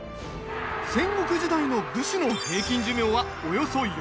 戦国時代の武士の平均寿命はおよそ４０歳。